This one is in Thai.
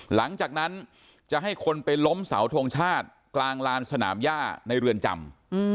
หลังจากนั้นจะให้คนไปล้มเสาทงชาติกลางลานสนามย่าในเรือนจำ